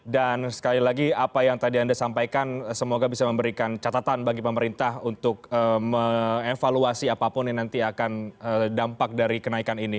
dan sekali lagi apa yang tadi anda sampaikan semoga bisa memberikan catatan bagi pemerintah untuk mengevaluasi apapun yang nanti akan diberikan